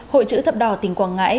hội chữ thập đỏ tỉnh quảng ngãi